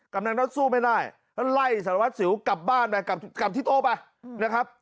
แล้วไล่สารวัติศิลป์กลับบ้านไปกลับที่โต๊ะไปนะครับ